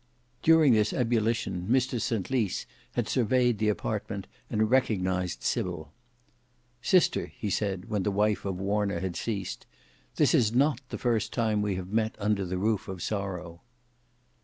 During this ebullition, Mr St Lys had surveyed the apartment and recognised Sybil. "Sister," he said when the wife of Warner had ceased, "this is not the first time we have met under the roof of sorrow."